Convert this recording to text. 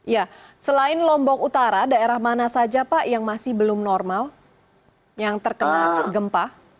ya selain lombok utara daerah mana saja pak yang masih belum normal yang terkena gempa